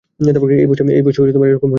এই বয়সে, এরকম হয়েই থাকে!